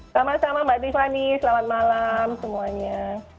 selamat malam mbak tiffany selamat malam semuanya